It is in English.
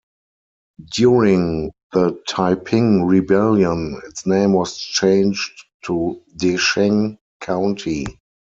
During the Taiping Rebellion its name was changed to DeSheng county.